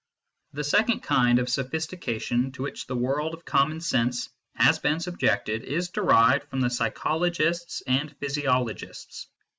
The second kind of sophistication to which the world of common sense has been subjected is derived from the psychologists and physiologists.